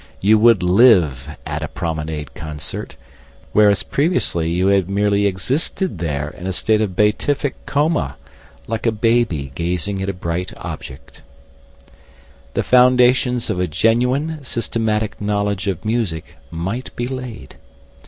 You would live at a promenade concert, whereas previously you had merely existed there in a state of beatific coma, like a baby gazing at a bright object. The foundations of a genuine, systematic knowledge of music might be laid.